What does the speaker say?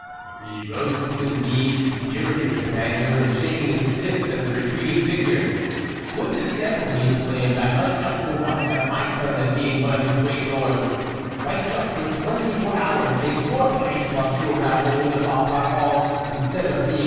He rose to his knees, furious with anger, and shaking his fist at the retreat ing figure : 44 Would the devil," he exclaimed, 44 1 might just for once have my turn at being one of you great lords, might just for twenty four hours take your place, Monsieur Raoul de Vauparfond, instead of being